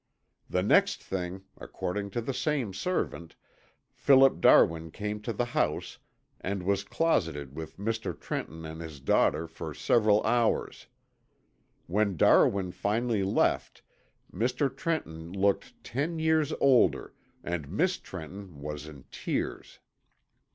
The next night, according to the same servant, Philip Darwin came to the house and was closeted with Mr. Trenton and his daughter for several hours. When Darwin finally left, Mr. Trenton looked ten years older and Miss Trenton was in tears.